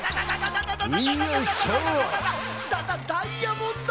ダダイヤモンド！